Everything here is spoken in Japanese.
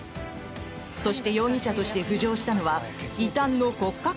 そして容疑者として浮上したのは異端の骨格